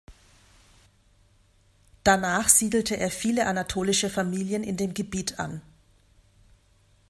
Danach siedelte er viele anatolische Familien in dem Gebiet an.